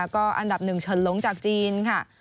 ก็อันดับ๑เฉินลงจากจีนค่ะ